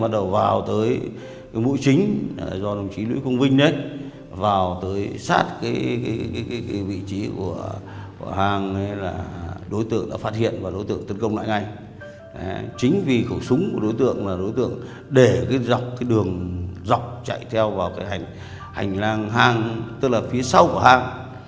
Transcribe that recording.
dùng súng của đối tượng là đối tượng để cái dọc cái đường dọc chạy theo vào cái hành lang hang tức là phía sau của hang